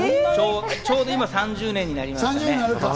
ちょうど今、３０年になりましたね。